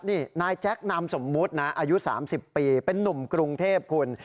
นี่นายแจ๊คนามสมมุตินะอายุ๓๐ปีเป็นนุ่มกรุงเทพคุณ